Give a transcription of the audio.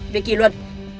về kỷ luật